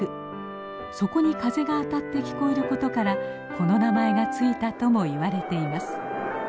そこに風が当たって聞こえることからこの名前が付いたとも言われています。